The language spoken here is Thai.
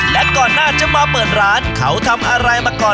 และก่อนหน้าจะมาเปิดร้านเขาทำอะไรมาก่อน